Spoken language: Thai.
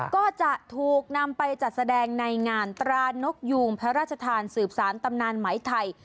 ก็จะถูกนำไปจัดแสดงในงานตรานกยูงพระราชทานสืบสารตำนานไหมไทย